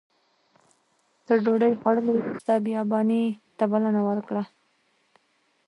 تر ډوډۍ خوړلو وروسته بیاباني ته بلنه ورکړه.